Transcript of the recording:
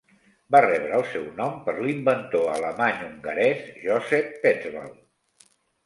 Va rebre el seu nom per l'inventor alemany-hongarès Joseph Petzval.